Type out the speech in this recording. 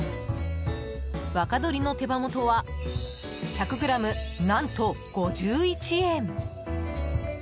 若鶏の手羽元は１００ｇ何と５１円。